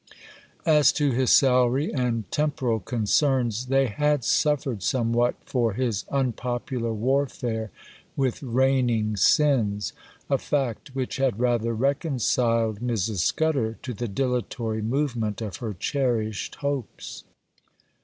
As to his salary and temporal concerns, they had suffered somewhat for his unpopular warfare with reigning sins,—a fact which had rather reconciled Mrs. Scudder to the dilatory movement of her cherished hopes.